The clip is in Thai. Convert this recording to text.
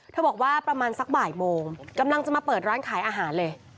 บอกว่าประมาณสักบ่ายโมงกำลังจะมาเปิดร้านขายอาหารเลย